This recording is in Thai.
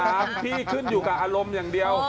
พี่ขึ้นอยู่กับอารมณ์อย่างเดียว